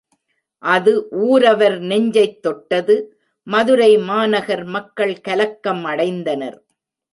அது ஊரவர் நெஞ்சைத் தொட்டது மதுரைமாநகர் மக்கள் கலக்கம் அடைந்தனர்.